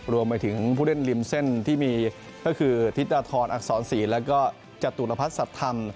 รวมไปถึงผู้เล่นริมเส้นที่มีก็คือธิตรอักษรศรีแล้วก็จตุรพัฒนสัตว์ธรรม